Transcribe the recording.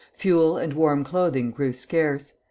Fuel and warm clothing grew scarce.